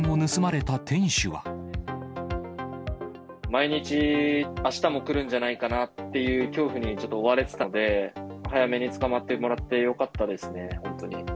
毎日、あしたも来るんじゃないかなという恐怖にちょっと追われてたので、早めに捕まってもらってよかったですね、本当に。